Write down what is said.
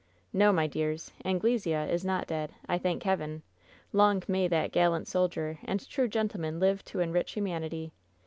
"No, my dears, Anglesea is not dead, I thank Heaven! Long may that gallant soldier and true gentleman live to enrich humanity!